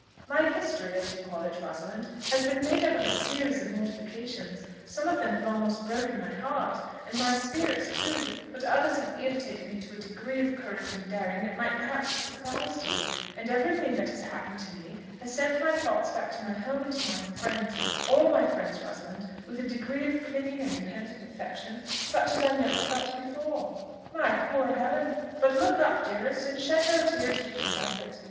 "My history, as you call it, Rosalind, has been made up of a series of mortifications: some of them have almost broken my heart, and my spirit too; but others have irritated me into a degree of courage and daring that might perhaps have surprised you; and every thing that has happened to me, has sent my thoughts back to my home and to my friends, all my friends, Rosalind, with a degree of clinging and dependent affection such as I never felt before." "My poor Helen! But look up, dearest! and shed no tears if you can help it.